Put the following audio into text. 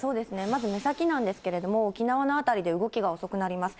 まず目先なんですけれども、沖縄の辺りで動きが遅くなります。